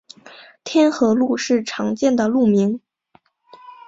天河路是常见的路名。